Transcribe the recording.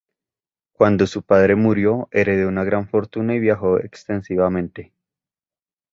Cuando su padre murió, heredó una gran fortuna y viajó extensivamente.